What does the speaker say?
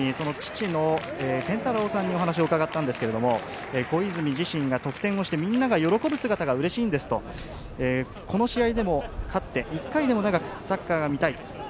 ６番の小泉、父のけんたろうさんにお話を伺ったんですが小泉自身が得点をしてみんなが喜ぶ姿がうれしいんですと、この試合でも勝って、一回でも長くサッカーが見たい。